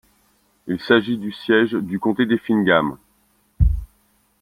Il s'agit du siège du comté d'Effingham.